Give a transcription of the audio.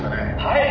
「はい」